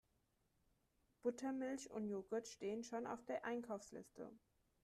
Buttermilch und Jogurt stehen schon auf der Einkaufsliste.